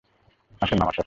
আসেন আমার সাথে।